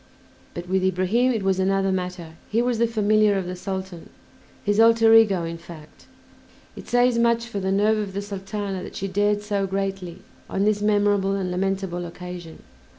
But with Ibrahim it was another matter; he was the familiar of the Sultan, his alter ego in fact. It says much for the nerve of the Sultana that she dared so greatly on this memorable and lamentable occasion.